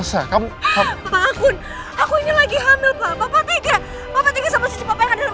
elsa kamu bangun aku ini lagi hamil bapak tiga tiga sama sisi papa yang ada di